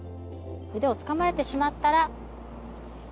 腕をつかまれてしまったら。